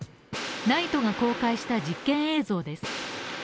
ＮＩＴＥが公開した実験映像です。